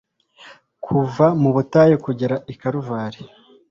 Kuva mu butayu kugera i Kaluvari,